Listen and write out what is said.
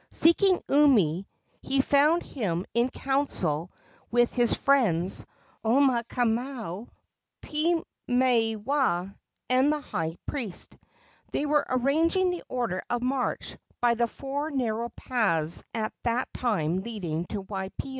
Seeking Umi, he found him in council with his friends Omaukamau, Piimaiwaa and the high priest. They were arranging the order of march by the four narrow paths at that time leading to Waipio.